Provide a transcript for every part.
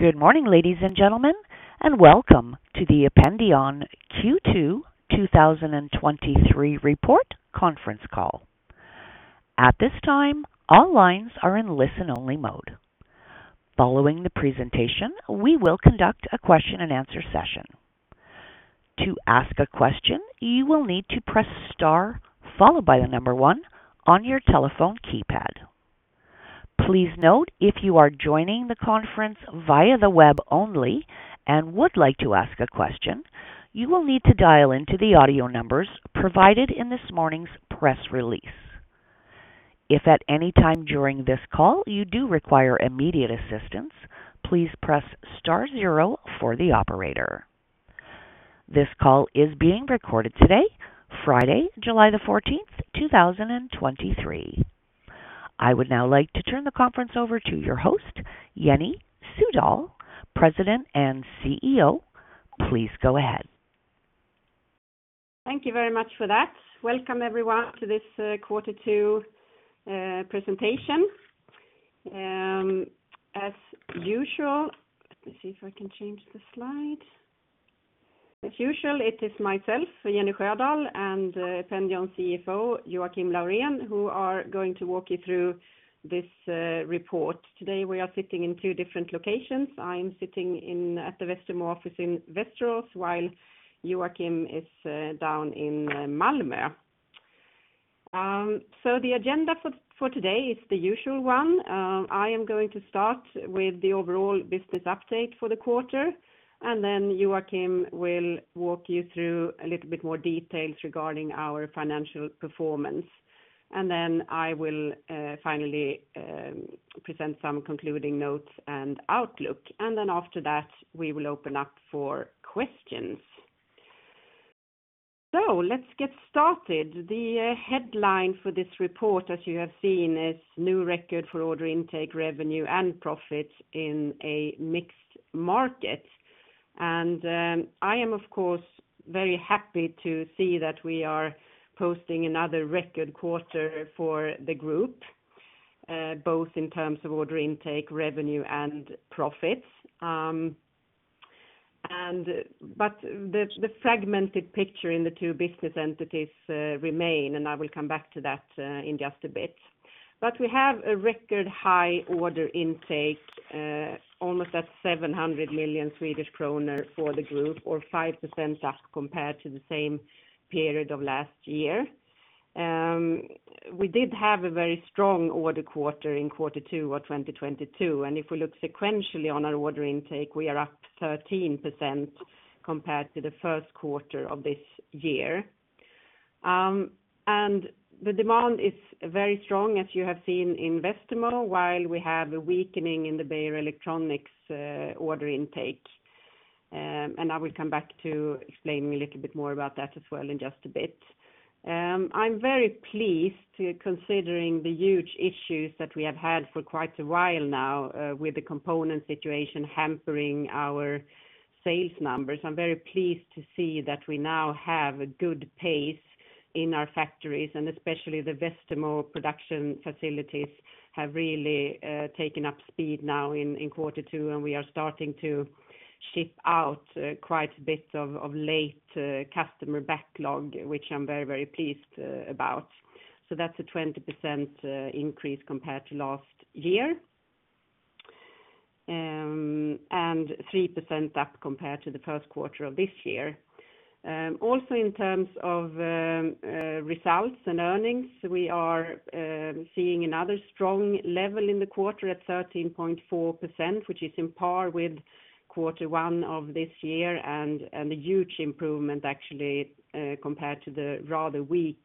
Good morning, ladies and gentlemen, welcome to the Ependion Q2 2023 report conference call. At this time, all lines are in listen-only mode. Following the presentation, we will conduct a question and answer session. To ask a question, you will need to press star, followed by the number 1 on your telephone keypad. Please note, if you are joining the conference via the web only and would like to ask a question, you will need to dial into the audio numbers provided in this morning's press release. If at any time during this call you do require immediate assistance, please press star zero for the operator. This call is being recorded today, Friday, July 14, 2023. I would now like to turn the conference over to your host, Jenny Sjödahl, President and CEO. Please go ahead. Thank you very much for that. Welcome, everyone, to this quarter two presentation. As usual. Let me see if I can change the slide. As usual, it is myself, Jenny Sjödahl, and Ependion CFO, Joakim Laurén, who are going to walk you through this report. Today, we are sitting in two different locations. I am sitting at the Westermo office in Västerås, while Joakim is down in Malmö. The agenda for today is the usual one. I am going to start with the overall business update for the quarter. Joakim will walk you through a little bit more details regarding our financial performance. I will finally present some concluding notes and outlook. After that, we will open up for questions. Let's get started. The headline for this report, as you have seen, is new record for order intake, revenue, and profits in a mixed market. I am, of course, very happy to see that we are posting another record quarter for the group, both in terms of order intake, revenue, and profits. The fragmented picture in the two business entities remain, and I will come back to that in just a bit. We have a record high order intake, almost at 700 million Swedish kronor for the group, or 5% up compared to the same period of last year. We did have a very strong order quarter in Q2 of 2022, and if we look sequentially on our order intake, we are up 13% compared to the 1st quarter of this year. The demand is very strong, as you have seen in Westermo, while we have a weakening in the Beijer Electronics order intake. I will come back to explaining a little bit more about that as well in just a bit. I'm very pleased to considering the huge issues that we have had for quite a while now, with the component situation hampering our sales numbers. I'm very pleased to see that we now have a good pace in our factories, and especially the Westermo production facilities have really taken up speed now in Q2, and we are starting to ship out quite a bit of late customer backlog, which I'm very, very pleased about. That's a 20% increase compared to last year, and 3% up compared to the 1st quarter of this year. Also in terms of results and earnings, we are seeing another strong level in the quarter at 13.4%, which is in par with Q1 of this year, and a huge improvement compared to the rather weak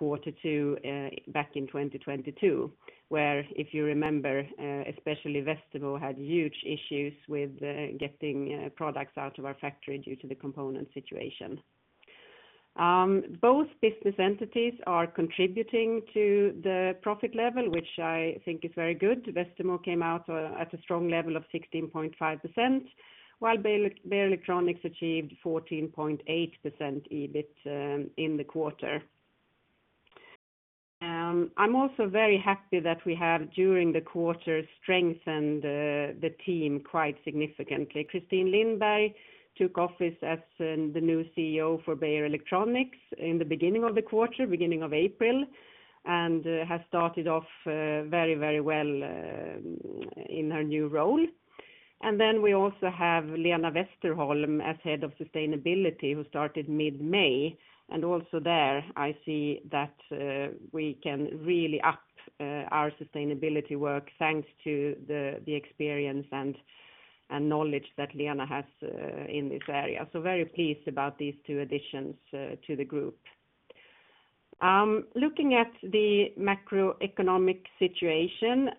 Q2 back in 2022, where if you remember, especially Westermo, had huge issues with getting products out of our factory due to the component situation. Both business entities are contributing to the profit level, which I think is very good. Westermo came out at a strong level of 16.5%, while Beijer Electronics achieved 14.8% EBIT in the quarter. I'm also very happy that we have, during the quarter, strengthened the team quite significantly. Kristine Lindberg took office as the new CEO for Beijer Electronics in the beginning of the quarter, beginning of April, and has started off very, very well in her new role. We also have Lena Westerholm as Head of Sustainability, who started mid-May. And also there, I see that we can really up our sustainability work, thanks to the experience and knowledge that Lena has in this area. Very pleased about these two additions to the group. Looking at the macroeconomic situation,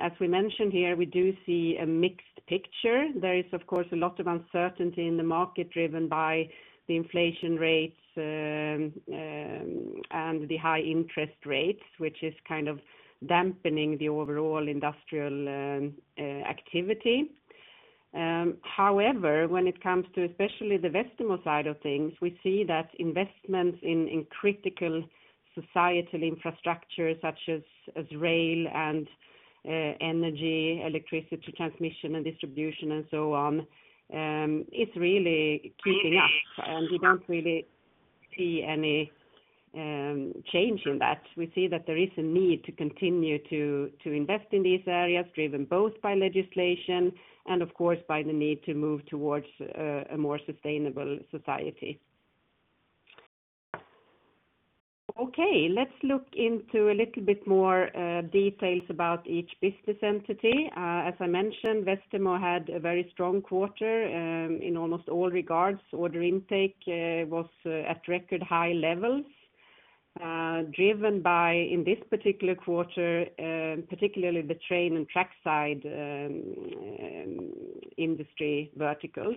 as we mentioned here, we do see a mixed picture. There is, of course, a lot of uncertainty in the market, driven by the inflation rates and the high interest rates, which is kind of dampening the overall industrial activity. However, when it comes to especially the Westermo side of things, we see that investments in critical societal infrastructure, such as rail and energy, electricity transmission and distribution and so on, is really keeping up, and we don't really see any change in that. We see that there is a need to continue to invest in these areas, driven both by legislation and of course, by the need to move towards a more sustainable society. Okay, let's look into a little bit more details about each business entity. As I mentioned, Westermo had a very strong quarter in almost all regards. Order intake was at record high levels, driven by, in this particular quarter, particularly the train and trackside industry verticals.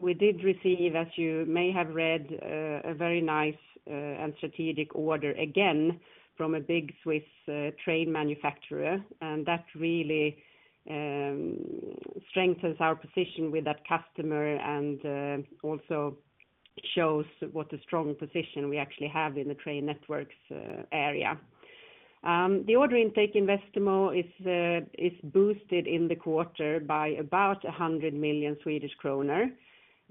We did receive, as you may have read, a very nice and strategic order again from a big Swiss train manufacturer. That really strengthens our position with that customer and also shows what a strong position we actually have in the train networks area. The order intake in Westermo is boosted in the quarter by about 100 million Swedish kronor.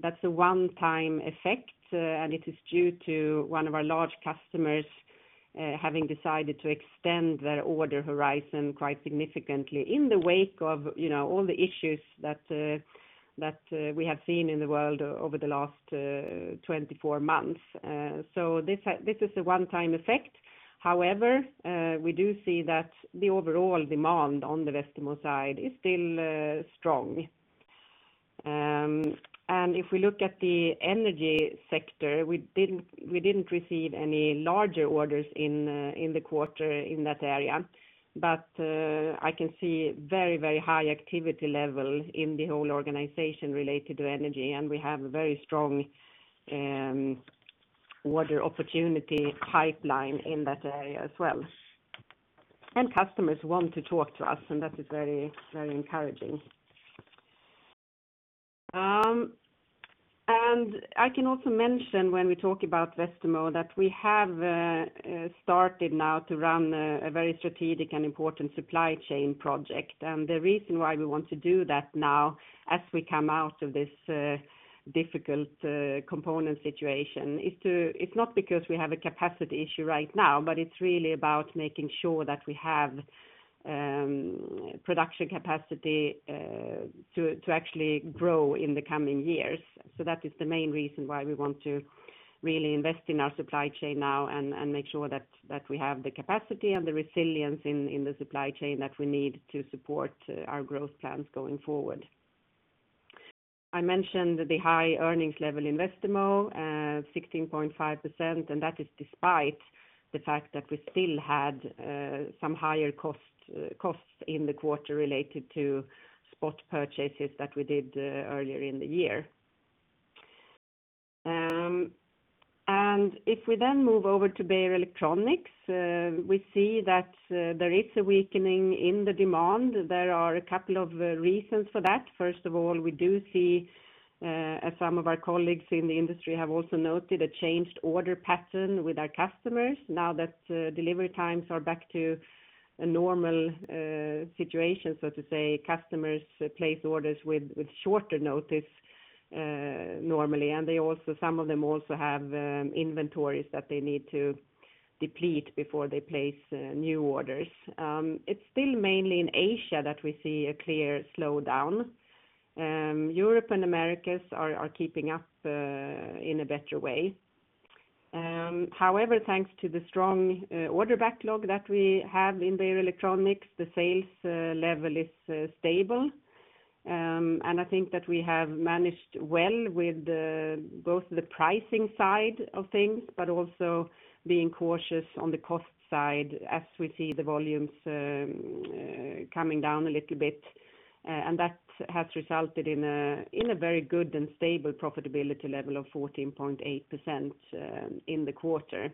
That's a one-time effect, and it is due to one of our large customers having decided to extend their order horizon quite significantly in the wake of, you know, all the issues that we have seen in the world over the last 24 months. This is a one-time effect. However, we do see that the overall demand on the Westermo side is still strong. If we look at the energy sector, we didn't receive any larger orders in the quarter in that area, but I can see very high activity level in the whole organization related to energy, and we have a very strong order opportunity pipeline in that area as well. Customers want to talk to us and that is very encouraging. I can also mention when we talk about Westermo, that we have started now to run a very strategic and important supply chain project. The reason why we want to do that now, as we come out of this difficult component situation, it's not because we have a capacity issue right now, but it's really about making sure that we have production capacity to actually grow in the coming years. That is the main reason why we want to really invest in our supply chain now and make sure that we have the capacity and the resilience in the supply chain that we need to support our growth plans going forward. I mentioned the high earnings level in Westermo, 16.5% and that is despite the fact that we still had some higher costs in the quarter related to spot purchases that we did earlier in the year. If we then move over to Beijer Electronics, we see that there is a weakening in the demand. There are a couple of reasons for that. First of all, we do see, as some of our colleagues in the industry have also noted, a changed order pattern with our customers. Now that delivery times are back to a normal situation, so to say, customers place orders with shorter notice, normally, and some of them also have inventories that they need to deplete before they place new orders. It's still mainly in Asia that we see a clear slowdown. Europe and Americas are keeping up in a better way. Thanks to the strong order backlog that we have in Beijer Electronics, the sales level is stable. I think that we have managed well with both the pricing side of things, but also being cautious on the cost side as we see the volumes coming down a little bit. That has resulted in a very good and stable profitability level of 14.8% in the quarter.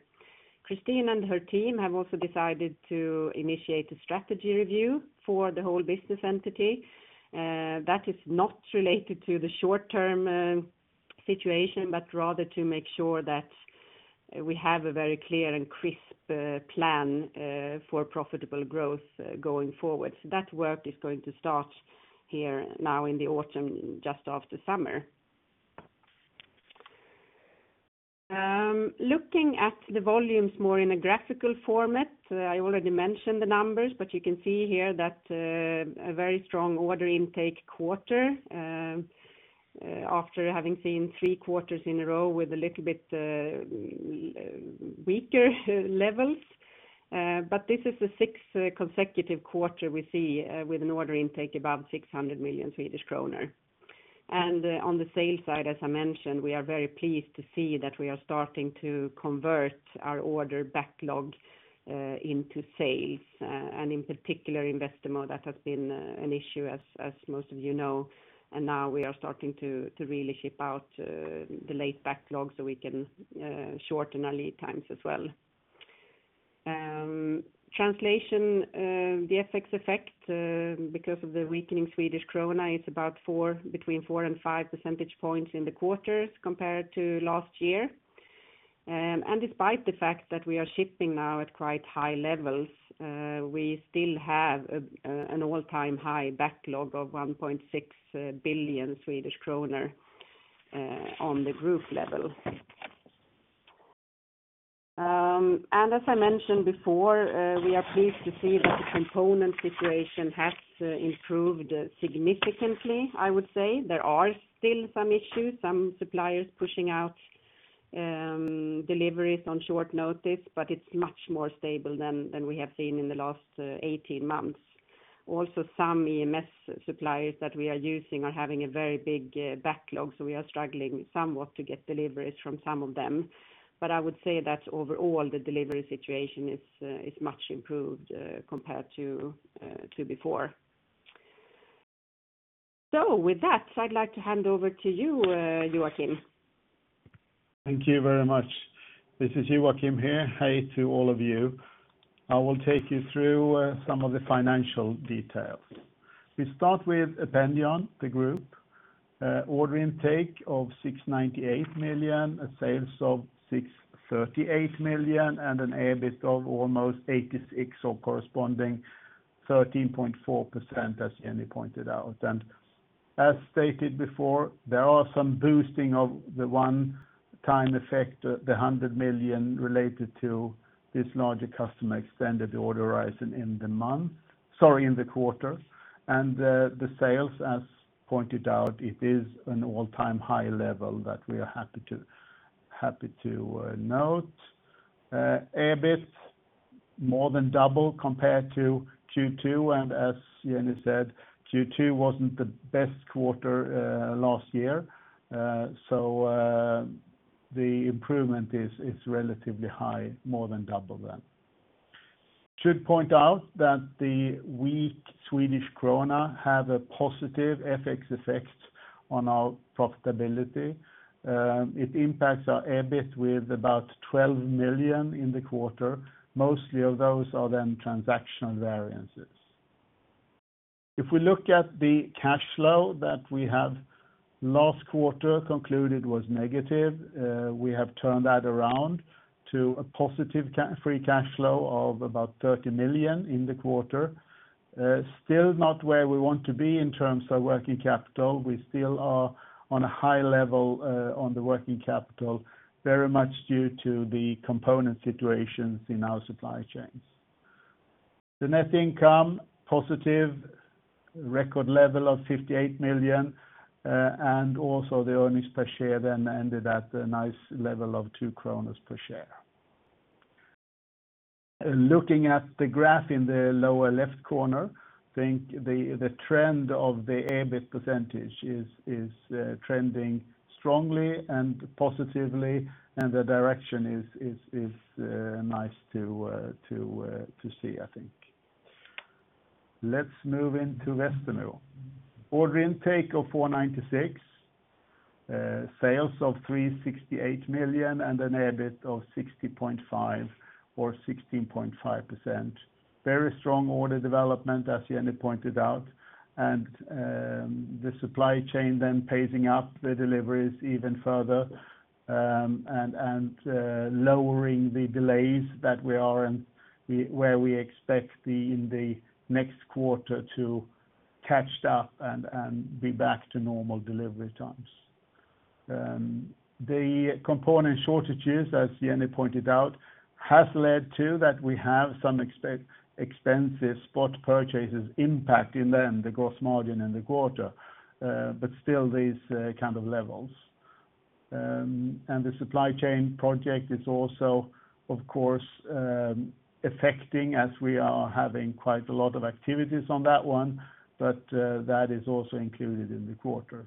Kristine and her team have also decided to initiate a strategy review for the whole business entity. That is not related to the short-term situation, but rather to make sure that we have a very clear and crisp plan for profitable growth going forward. That work is going to start here now in the autumn, just after summer. Looking at the volumes more in a graphical format, I already mentioned the numbers, but you can see here that a very strong order intake quarter, after having seen three quarters in a row with a little bit weaker levels. This is the 6th consecutive quarter we see, with an order intake above 600 million Swedish kronor. On the sales side, as I mentioned, we are very pleased to see that we are starting to convert our order backlog into sales, and in particular, in Westermo, that has been an issue as most of you know, and now we are starting to really ship out the late backlog so we can shorten our lead times as well. Translation, the FX effect because of the weakening Swedish Krona is about 4, between 4 and 5 percentage points in the quarters compared to last year. Despite the fact that we are shipping now at quite high levels, we still have an all-time high backlog of 1.6 billion Swedish kronor on the group level. As I mentioned before, we are pleased to see that the component situation has improved significantly. I would say, there are still some issues, some suppliers pushing out deliveries on short notice, but it's much more stable than we have seen in the last 18 months. Also, some EMS suppliers that we are using are having a very big backlog, so we are struggling somewhat to get deliveries from some of them. I would say that overall, the delivery situation is much improved compared to before. So with that, I'd like to hand over to you, Joakim. Thank you very much. This is Joakim here. Hey, to all of you. I will take you through some of the financial details. We start with Ependion, the group, order intake of 698 million, a sales of 638 million, and an EBIT of almost 86, or corresponding 13.4%, as Jenny pointed out. As stated before, there are some boosting of the one-time effect, the 100 million related to this larger customer extended the order horizon in the month, sorry, in the quarter. The sales, as pointed out, it is an all-time high level that we are happy to note. EBIT, more than double compared to Q2, and as Jenny said, Q2 wasn't the best quarter last year. The improvement is relatively high, more than double that. Should point out that the weak Swedish krona have a positive FX effect on our profitability. It impacts our EBIT with about 12 million in the quarter. Mostly of those are then transactional variances. If we look at the cash flow that we have last quarter concluded was negative, we have turned that around to a positive free cash flow of about 30 million in the quarter. Still not where we want to be in terms of working capital, we still are on a high level on the working capital, very much due to the component situations in our supply chains. The net income, positive, record level of 58 million, and also the earnings per share then ended at a nice level of 2 kronor per share. Looking at the graph in the lower left corner, I think the trend of the EBIT percentage is trending strongly and positively, and the direction is nice to see, I think. Let's move into Westermo. Order intake of 496, sales of 368 million, and an EBIT of 60.5 or 16.5%. Very strong order development, as Jenny pointed out, and the supply chain then pacing up the deliveries even further, and lowering the delays that we are in, where we expect in the next quarter to catch up and be back to normal delivery times. The component shortages, as Jenny Sjödahl pointed out, has led to that we have some expensive spot purchases impacting then the gross margin in the quarter, but still these kind of levels. The supply chain project is also, of course, affecting as we are having quite a lot of activities on that one, but that is also included in the quarter.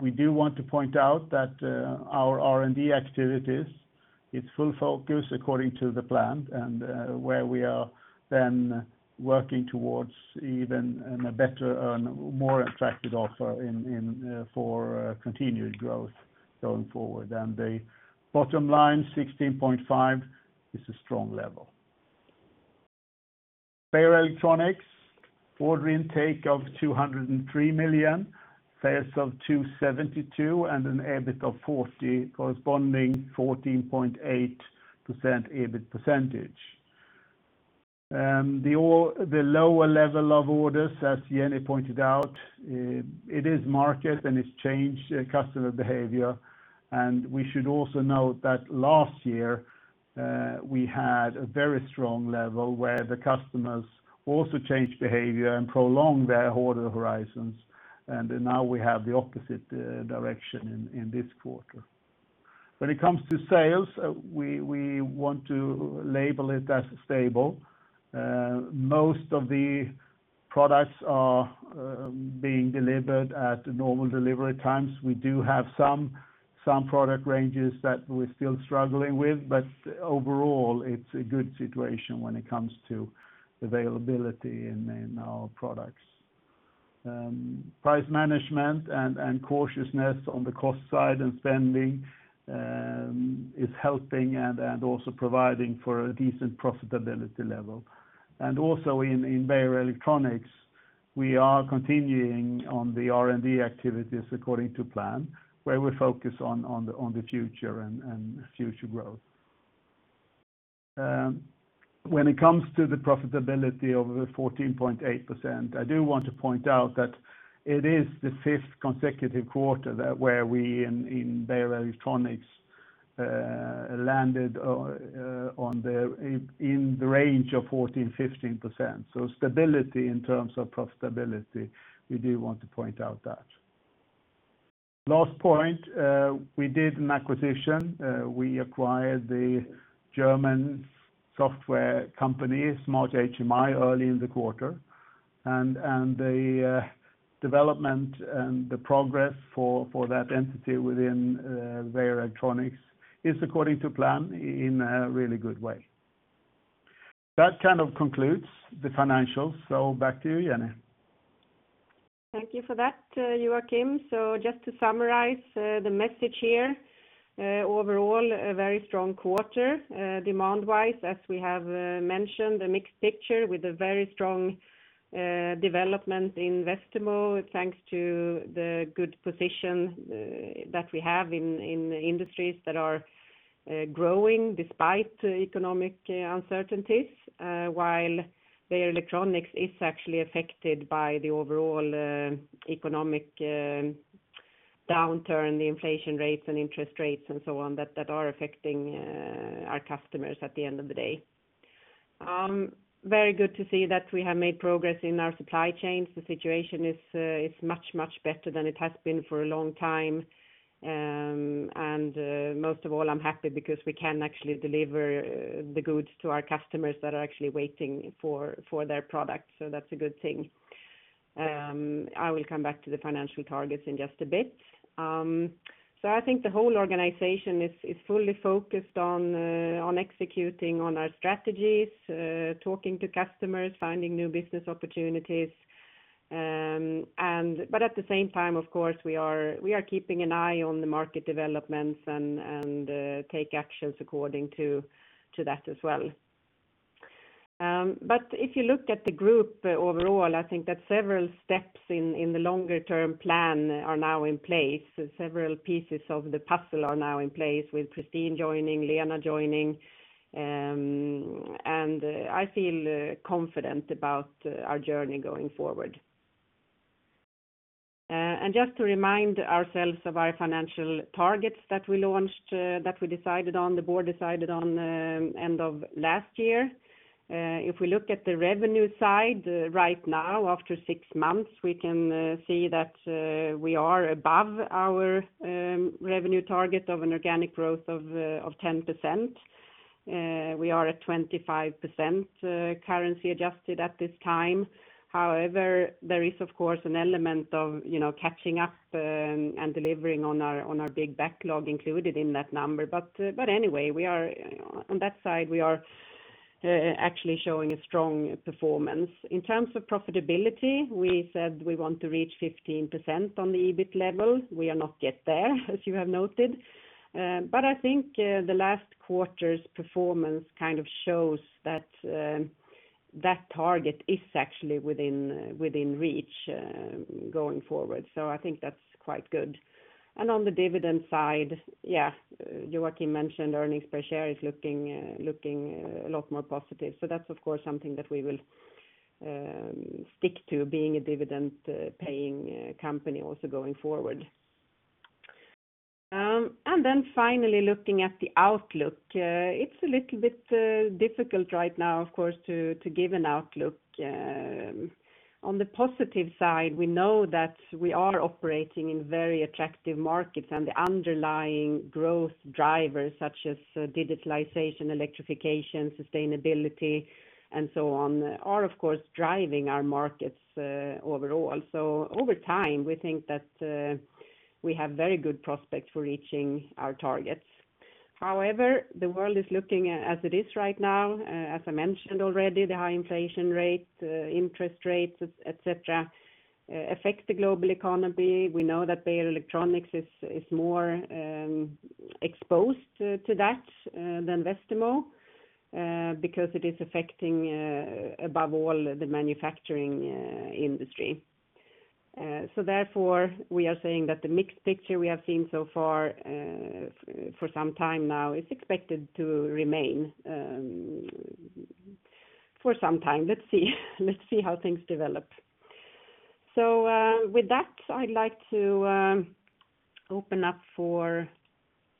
We do want to point out that our R&D activities, it's full focus according to the plan, and where we are then working towards even a better, more attractive offer in for continued growth going forward. The bottom line, 16.5%, is a strong level. Beijer Electronics, order intake of 203 million, sales of 272, and an EBIT of 40, corresponding 14.8% EBIT percentage. The lower level of orders, as Jenny pointed out, it is market, and it's changed customer behavior. We should also note that last year, we had a very strong level where the customers also changed behavior and prolonged their order horizons, and now we have the opposite direction in this quarter. When it comes to sales, we want to label it as stable. Most of the products are being delivered at the normal delivery times. We do have some product ranges that we're still struggling with. But overall, it's a good situation when it comes to availability in our products. Price management and cautiousness on the cost side and spending is helping and also providing for a decent profitability level. Also in Beijer Electronics, we are continuing on the R&D activities according to plan, where we focus on the future and future growth. When it comes to the profitability of the 14.8%, I do want to point out that it is the fifth consecutive quarter where we in Beijer Electronics landed in the range of 14%-15%. Stability in terms of profitability, we do want to point out that. Last point, we did an acquisition. We acquired the German software company, Smart HMI, early in the quarter, and the development and the progress for that entity within Beijer Electronics is according to plan in a really good way. That kind of concludes the financials, so back to you, Jenny. Thank you for that, Joakim. Just to summarize, the message here, overall, a very strong quarter, demand-wise, as we have mentioned, a mixed picture with a very strong development in Westermo, thanks to the good position that we have in industries that are growing despite economic uncertainties. While Beijer Electronics is actually affected by the overall economic downturn, the inflation rates and interest rates and so on, that are affecting our customers at the end of the day. Very good to see that we have made progress in our supply chains, the situation is much, much better than it has been for a long time. Most of all, I'm happy because we can actually deliver the goods to our customers that are actually waiting for their products. That's a good thing. I will come back to the financial targets in just a bit. I think the whole organization is fully focused on executing on our strategies, talking to customers, finding new business opportunities. At the same time, of course, we are keeping an eye on the market developments and take actions according to that as well. If you look at the group overall. I think that several steps in the longer term plan are now in place. Several pieces of the puzzle are now in place with Kristine joining, Lena joining, and I feel confident about our journey going forward. Just to remind ourselves of our financial targets that we launched, that we decided on, the board decided on, end of last year. If we look at the revenue side, right now, after six months, we can see that we are above our revenue target of an organic growth of 10%. We are at 25%, currency adjusted at this time. However, there is, of course, an element of, you know, catching up and delivering on our, on our big backlog included in that number. Anyway, we are, on that side, we are actually showing a strong performance. In terms of profitability, we said we want to reach 15% on the EBIT level. We are not yet there, as you have noted. I think the last quarter's performance kind of shows that target is actually within reach going forward, I think that's quite good. On the dividend side, yeah, Joakim mentioned earnings per share is looking a lot more positive. That's, of course, something that we will stick to being a dividend paying company also going forward. Finally, looking at the outlook, it's a little bit difficult right now, of course, to give an outlook. On the positive side, we know that we are operating in very attractive markets, the underlying growth drivers, such as digitalization, electrification, sustainability, and so on, are, of course, driving our markets overall. Over time, we think that we have very good prospects for reaching our targets. However, the world is looking as it is right now. As I mentioned already, the high inflation rate, interest rates, et cetera, affect the global economy. We know that Beijer Electronics is more exposed to that than Westermo, because it is affecting above all, the manufacturing industry. Therefore, we are saying that the mixed picture we have seen so far, for some time now, is expected to remain for some time. Let's see. Let's see how things develop. With that, I'd like to open up for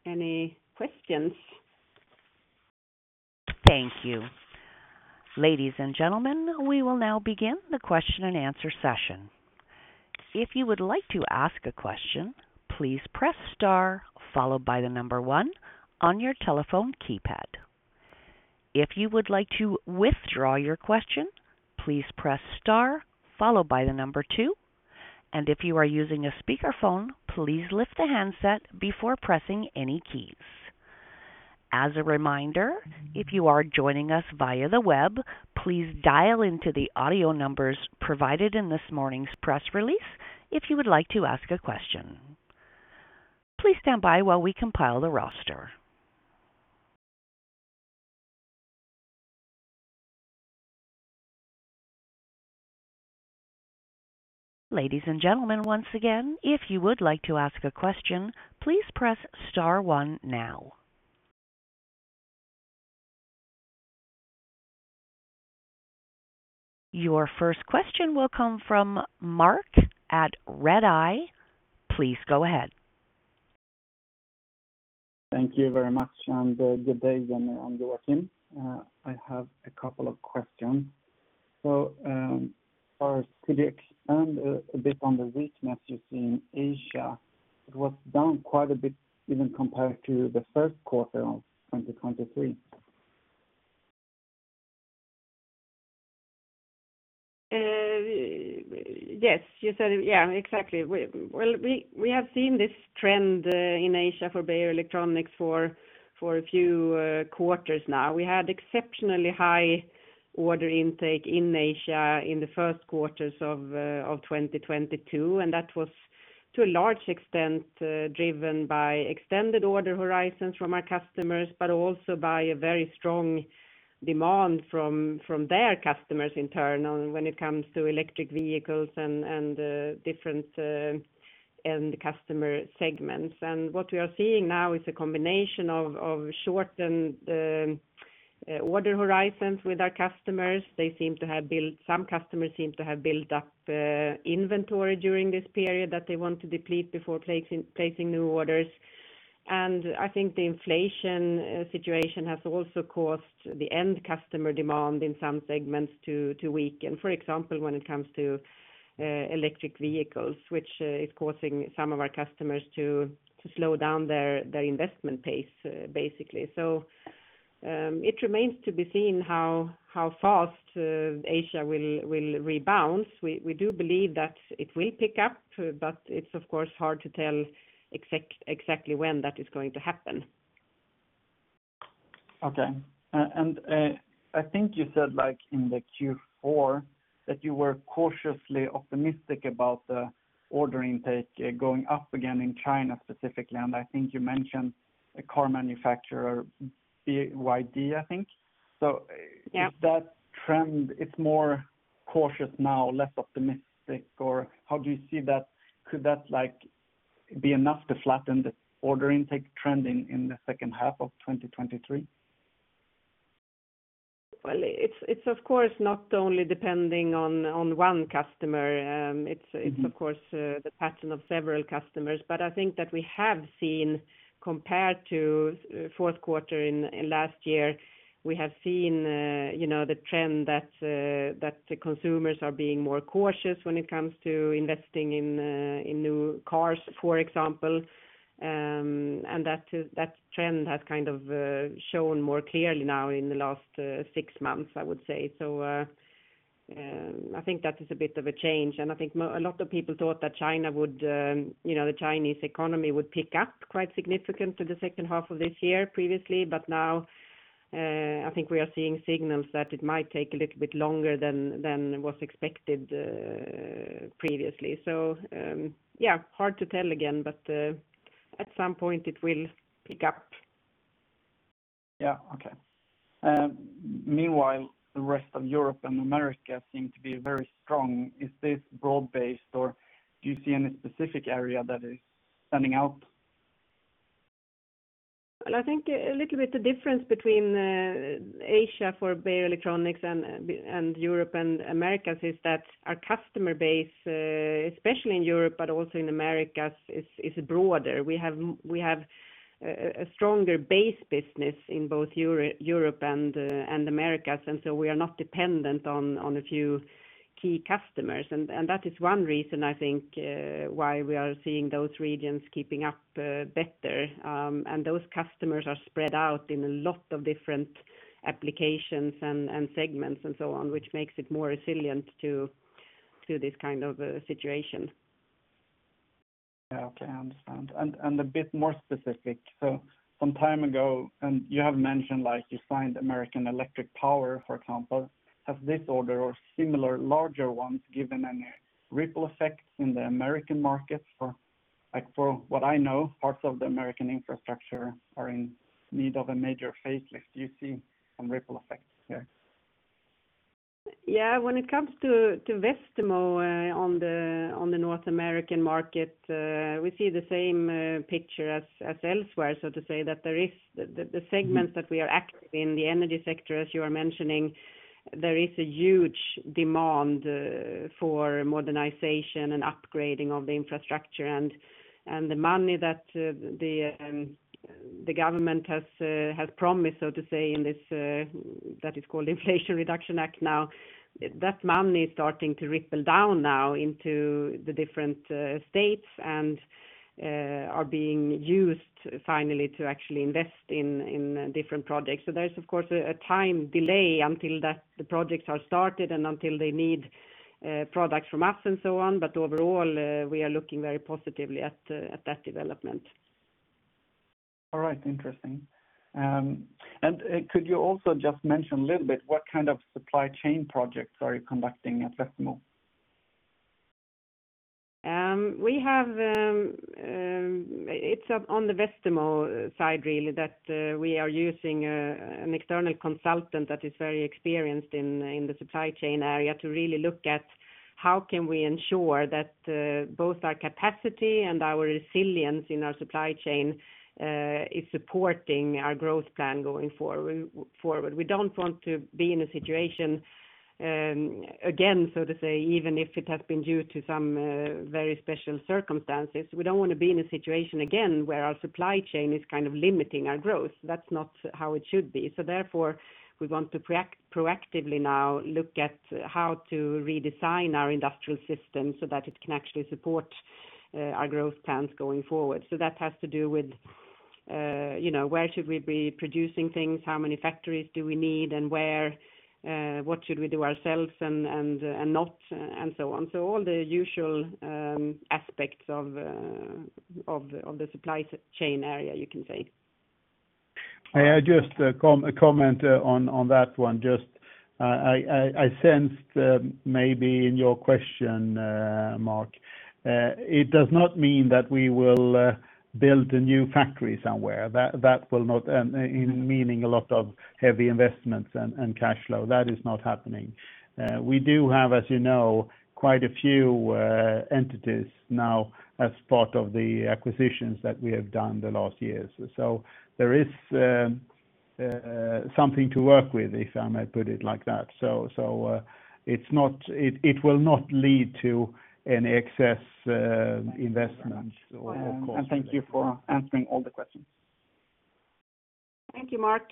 any questions. Thank you. Ladies and gentlemen, we will now begin the question-and-answer session. If you would like to ask a question, please press star followed by the number one on your telephone keypad. If you would like to withdraw your question, please press star followed by the number two, and if you are using a speakerphone, please lift the handset before pressing any keys. As a reminder, if you are joining us via the web, please dial into the audio numbers provided in this morning's press release if you would like to ask a question. Please stand by while we compile the roster. Ladies and gentlemen, once again, if you would like to ask a question, please press star one now. Your first question will come from Mark at Redeye. Please go ahead. Thank you very much, and good day, Jenny and Joakim. I have a couple of questions. First, could you expand a bit on the weakness you see in Asia? It was down quite a bit, even compared to the 1st quarter of 2023. Yes, you said it, exactly. We have seen this trend in Asia for Beijer Electronics for a few quarters now. We had exceptionally high order intake in Asia in the 1st quarters of 2022, and that was to a large extent driven by extended order horizons from our customers, but also by a very strong demand from their customers internal when it comes to electric vehicles and different end customer segments. What we are seeing now is a combination of shortened order horizons with our customers. They seem to have built up inventory during this period that they want to deplete before placing new orders. I think the inflation situation has also caused the end customer demand in some segments to weaken. For example, when it comes to electric vehicles, which is causing some of our customers to slow down their investment pace, basically. It remains to be seen how fast Asia will rebound. We do believe that it will pick up, but it's, of course, hard to tell exactly when that is going to happen. Okay. I think you said, like in the Q4, that you were cautiously optimistic about the order intake, going up again in China, specifically, and I think you mentioned a car manufacturer, BYD, I think? Yeah. Is that trend, it's more cautious now, less optimistic, or how do you see that? Could that, like, be enough to flatten the order intake trend in the 2nd half of 2023? Well, it's of course, not only depending on one customer. Mm-hmm Of course, the pattern of several customers. I think that we have seen, compared to 4th quarter in last year, we have seen, you know, the trend that the consumers are being more cautious when it comes to investing in new cars. For example. That is, that trend has kind of shown more clearly now in the last 6 months, I would say. I think that is a bit of a change, and I think a lot of people thought that China would, you know, the Chinese economy would pick up quite significant to the 2nd half of this year previously, but now, I think we are seeing signals that it might take a little bit longer than was expected previously. Yeah, hard to tell again, but at some point it will pick up. Yeah. Okay. meanwhile, the rest of Europe and America seem to be very strong. Is this broad-based, or do you see any specific area that is standing out? Well, I think a little bit the difference between Asia for Beijer Electronics and Europe and Americas is that our customer base, especially in Europe, but also in Americas, is broader. We have a stronger base business in both Europe and Americas. So we are not dependent on a few key customers. That is one reason I think why we are seeing those regions keeping up better. Those customers are spread out in a lot of different applications and segments and so on, which makes it more resilient to this kind of situation. Okay, I understand. A bit more specific. Some time ago, you have mentioned, you signed American Electric Power, for example, has this order or similar larger ones, given any ripple effects in the American market? For what I know, parts of the American infrastructure are in need of a major facelift. Do you see some ripple effects here? Yeah, when it comes to Westermo, on the North American market, we see the same picture as elsewhere, so to say that there is the segments- Mm-hmm. that we are active in, the energy sector, as you are mentioning, there is a huge demand for modernization and upgrading of the infrastructure and the money that the government has has promised, so to say, in this that is called Inflation Reduction Act now. That money is starting to ripple down now into the different states and are being used finally to actually invest in different projects. There is, of course, a time delay until that the projects are started and until they need products from us and so on. Overall, we are looking very positively at that development. All right, interesting. Could you also just mention a little bit, what kind of supply chain projects are you conducting at Westermo? We have, it's on the Westermo side really, that we are using an external consultant that is very experienced in the supply chain area to really look at how can we ensure that both our capacity and our resilience in our supply chain is supporting our growth plan going forward. We don't want to be in a situation again, so to say, even if it has been due to some very special circumstances. We don't want to be in a situation again, where our supply chain is kind of limiting our growth. That's not how it should be. Therefore, we want to proactively now look at how to redesign our industrial system so that it can actually support our growth plans going forward. That has to do with, you know, where should we be producing things? How many factories do we need and where? What should we do ourselves and not, and so on. All the usual, aspects of the supply chain area, you can say. I just a comment on that one. Just, I sensed, maybe in your question, Mark, it does not mean that we will build a new factory somewhere. That will not, in meaning a lot of heavy investments and cash flow, that is not happening. We do have, as you know, quite a few entities now as part of the acquisitions that we have done the last years. There is something to work with, if I may put it like that. It will not lead to any excess investments, of course. Thank you for answering all the questions. Thank you, Mark.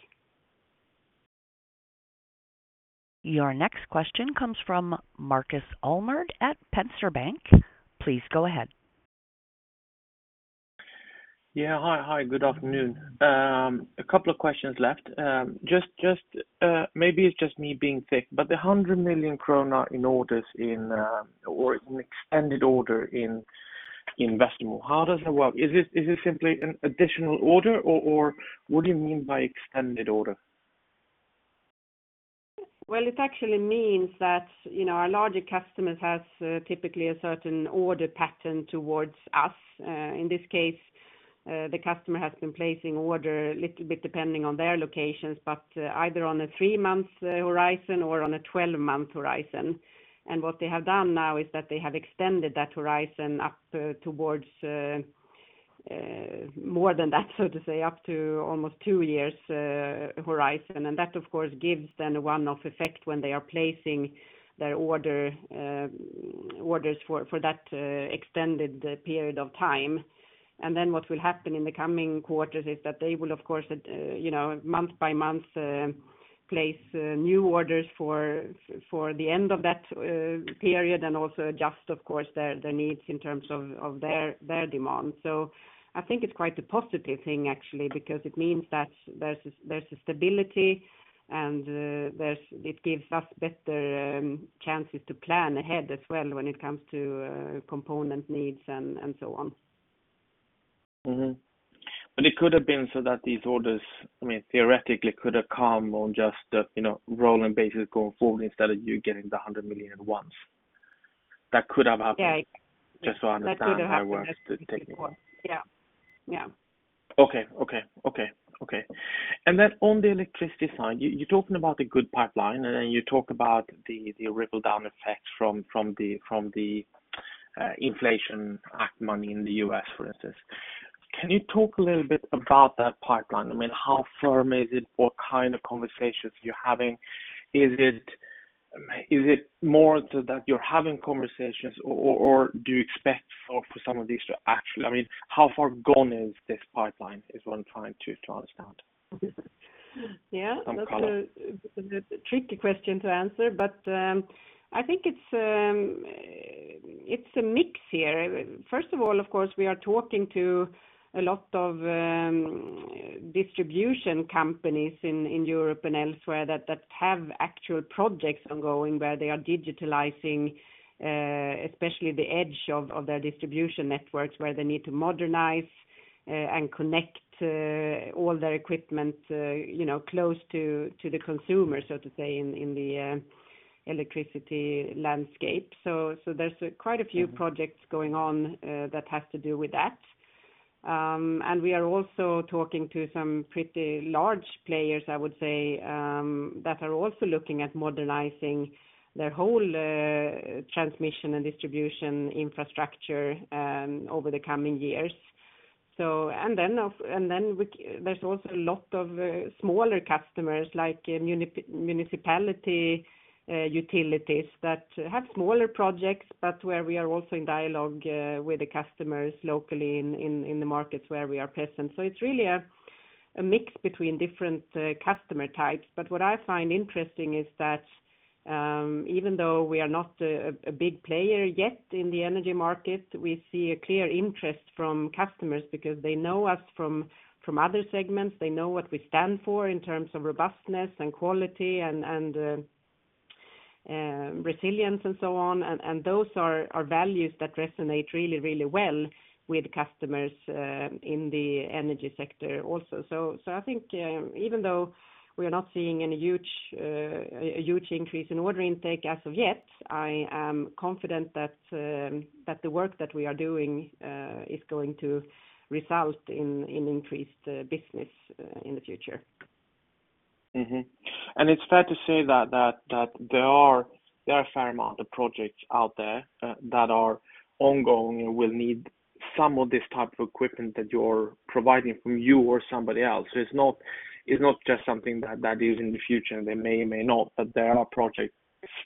Your next question comes from Markus Almerud at Erik Penser Bank. Please go ahead. Yeah. Hi, Hi, good afternoon. A couple of questions left. Just maybe it's just me being thick, but the 100 million krona in orders in, or in extended order in Westermo, how does that work? Is this simply an additional order, or what do you mean by extended order? Well, it actually means that, you know, our larger customers has typically a certain order pattern towards us. In this case, the customer has been placing order a little bit, depending on their locations, but either on a three-month horizon or on a 12-month horizon. What they have done now is that they have extended that horizon up, towards more than that, so to say, up to almost two years, horizon. That, of course, gives then a one-off effect when they are placing their orders for that extended period of time. What will happen in the coming quarters is that they will, of course, you know, month by month, place new orders for the end of that period, and also adjust, of course, their needs in terms of their demand. I think it's quite a positive thing, actually, because it means that there's a stability and it gives us better chances to plan ahead as well when it comes to component needs and so on. It could have been so that these orders, I mean, theoretically, could have come on just a, you know, rolling basis going forward instead of you getting the 100 million at once. That could have happened? Yeah. Just to understand how it works. That could have happened, yeah. Yeah. Okay. On the electricity side, you're talking about the good pipeline, and then you talk about the ripple down effect from the Inflation Act money in the U.S., for instance, can you talk a little bit about that pipeline? I mean, how firm is it? What kind of conversations you're having? Is it more so that you're having conversations, or do you expect for some of these? I mean, how far gone is this pipeline, is what I'm trying to understand? Yeah. Some color. That's a tricky question to answer. I think it's a mix here. First of all, of course, we are talking to a lot of distribution companies in Europe and elsewhere that have actual projects ongoing, where they are digitalizing, especially the edge of their distribution networks, where they need to modernize and connect all their equipment, you know, close to the consumer, so to say, in the electricity landscape. There's quite a few projects- Mm-hmm. going on that has to do with that. We are also talking to some pretty large players, I would say, that are also looking at modernizing their whole transmission and distribution infrastructure over the coming years. There's also a lot of smaller customers, like municipality utilities that have smaller projects, but where we are also in dialogue with the customers locally in the markets where we are present. It's really a mix between different customer types. What I find interesting is that even though we are not a big player yet in the energy market, we see a clear interest from customers because they know us from other segments, they know what we stand for in terms of robustness and quality and. resilience and so on, and those are values that resonate really, really well with customers, in the energy sector also. I think, even though we are not seeing any huge increase in order intake as of yet, I am confident that the work that we are doing, is going to result in increased business in the future. It's fair to say that there are a fair amount of projects out there that are ongoing and will need some of this type of equipment that you're providing from you or somebody else. It's not just something that is in the future, they may or may not, but there are projects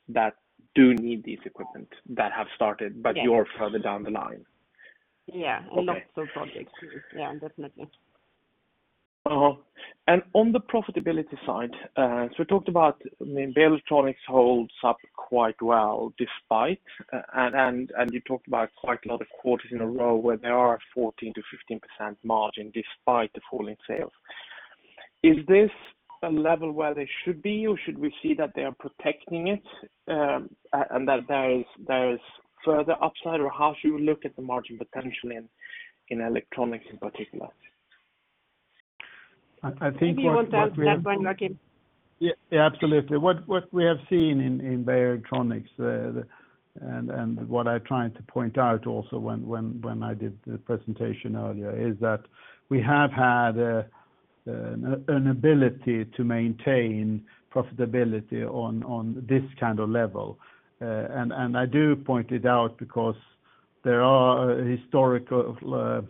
that do need this equipment that have started. Yes. You're further down the line. Yeah. Okay. Lots of projects. Yeah, definitely. On the profitability side, we talked about, I mean, Beijer Electronics holds up quite well, despite, and you talked about quite a lot of quarters in a row where there are 14%-15% margin despite the falling sales. Is this a level where they should be, or should we see that they are protecting it, and that there is further upside, or how should we look at the margin potentially in electronics in particular? I think what we. Maybe you want to add that one, Markus. Yeah, absolutely. What we have seen in Beijer Electronics, the, and what I tried to point out also when I did the presentation earlier, is that we have had an ability to maintain profitability on this kind of level. And I do point it out because there are historical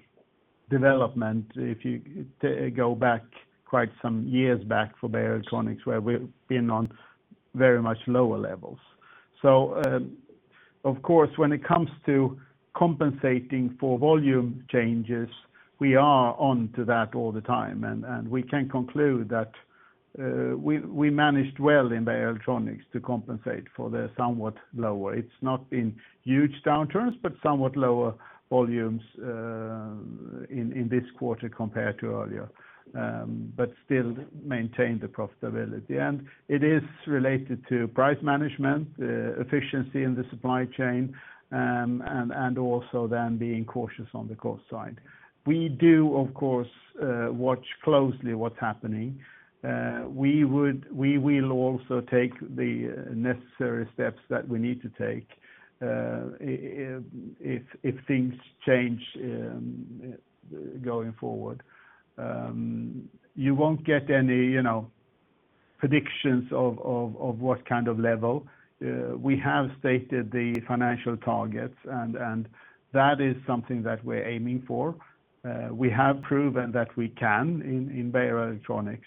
development, if you go back quite some years back for Beijer Electronics, where we've been on very much lower levels. Of course, when it comes to compensating for volume changes, we are on to that all the time, and we can conclude that we managed well in Beijer Electronics to compensate for the somewhat lower. It's not been huge downturns, but somewhat lower volumes in this quarter compared to earlier, but still maintain the profitability. It is related to price management, efficiency in the supply chain, and also then being cautious on the cost side. We do, of course, watch closely what's happening. We will also take the necessary steps that we need to take if things change going forward. You won't get any, you know, predictions of what kind of level. We have stated the financial targets, and that is something that we're aiming for. We have proven that we can in Beijer Electronics,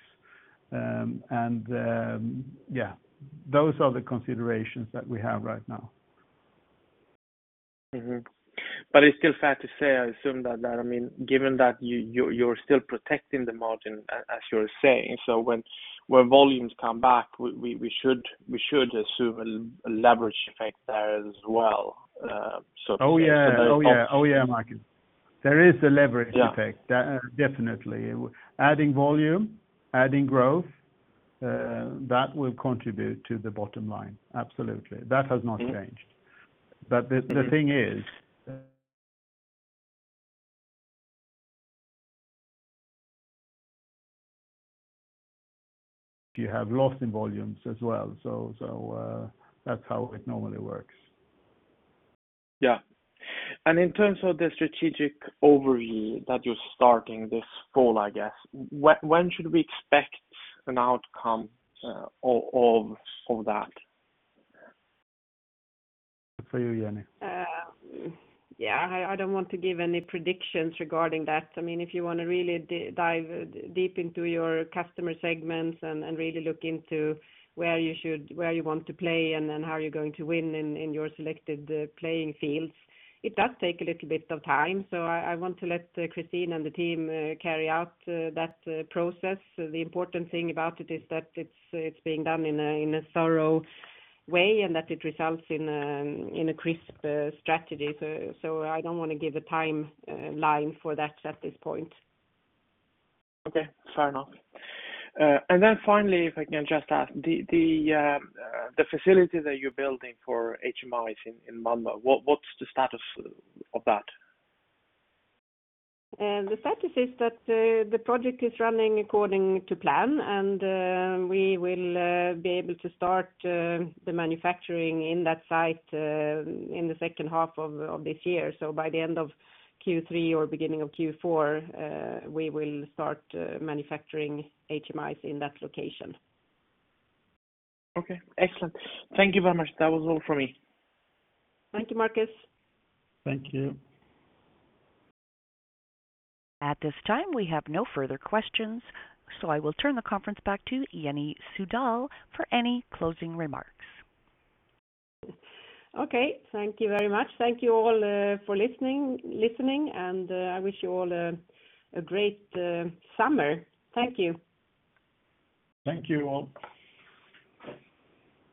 and yeah, those are the considerations that we have right now. Mm-hmm. It's still fair to say, I assume that, I mean, given that you're still protecting the margin, as you're saying, so when volumes come back, we should assume a leverage effect there as well. Oh, yeah. Oh, yeah. Oh, yeah, Markus. There is a leverage effect- Yeah definitely. Adding volume, adding growth, that will contribute to the bottom line. Absolutely. Mm-hmm. That has not changed. The, the thing is, you have lost in volumes as well, so, that's how it normally works. Yeah. In terms of the strategic overview that you're starting this fall, I guess, when should we expect an outcome of that? For you, Jenny. Yeah, I don't want to give any predictions regarding that. I mean, if you want to really dive deep into your customer segments and really look into where you should, where you want to play, and then how you're going to win in your selected playing fields, it does take a little bit of time, so I want to let Kristine and the team carry out that process. The important thing about it is that it's being done in a thorough way and that it results in a crisp strategy. I don't want to give a timeline for that at this point. Okay, fair enough. Finally, if I can just ask, the facility that you're building for HMIs in Malmö, what's the status of that? The status is that the project is running according to plan, and we will be able to start the manufacturing in that site in the 2nd half of this year. By the end of Q3 or beginning of Q4, we will start manufacturing HMIs in that location. Okay, excellent. Thank you very much. That was all for me. Thank you, Markus. Thank you. At this time, we have no further questions, so I will turn the conference back to Jenny Sjödahl for any closing remarks. Okay, thank you very much. Thank you all for listening, and I wish you all a great summer. Thank you. Thank you, all.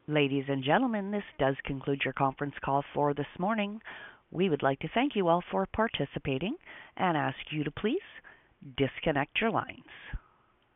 Ladies and gentlemen, this does conclude your conference call for this morning. We would like to thank you all for participating and ask you to please disconnect your lines.